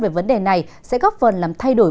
về vấn đề này sẽ góp phần làm thay đổi